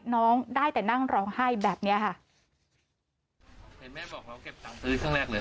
น้องได้แต่นั่งร้องไห้แบบเนี้ยค่ะเห็นแม่บอกเราเก็บตังค์ซื้อเครื่องแรกเลย